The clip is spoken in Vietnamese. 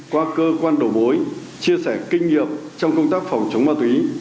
qua cơ quan đổ bối chia sẻ kinh nghiệm trong công tác phòng chống ma túy